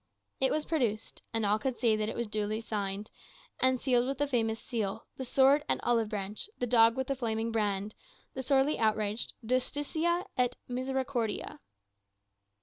It was produced; and all could see that it was duly signed, and sealed with the famous seal the sword and olive branch, the dog with the flaming brand, the sorely outraged, "Justitia et misericordia."